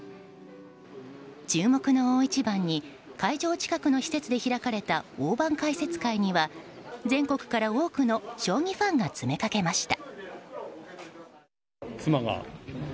注目の大一番に会場近くの広場で開かれた大盤解説会には全国から多くの将棋ファンが詰めかけました。